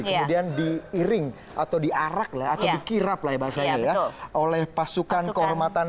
kemudian diiring atau diarak atau dikirap oleh pasukan kehormatan